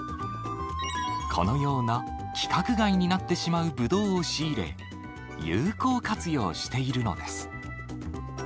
このような規格外になってしまうブドウを仕入れ、有効活用しているのです。